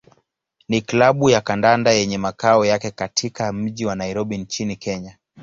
ni klabu ya kandanda yenye makao yake katika mji wa Nairobi nchini Kenya.